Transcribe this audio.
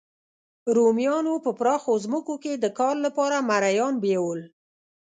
رومیانو په پراخو ځمکو کې د کار لپاره مریان بیول